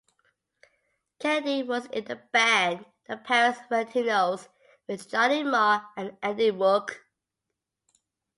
Kennedy was in the band the "Paris Valentinos" with Johnny Marr and Andy Rourke.